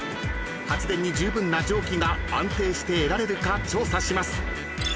［発電に十分な蒸気が安定して得られるか調査します］